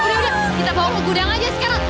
udah udah kita bawa ke gudang aja sekarang